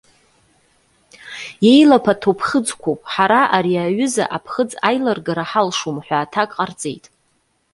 Иеилаԥаҭоу ԥхыӡқәоуп, ҳара ари аҩыза аԥхыӡ аилыргара ҳалшом,- ҳәа аҭак ҟарҵеит.